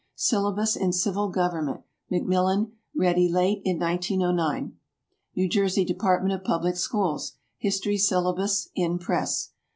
"Syllabus in Civil Government." Macmillan. (Ready late in 1909.) NEW JERSEY DEPARTMENT OF PUBLIC SCHOOLS. "History Syllabus." (In press.)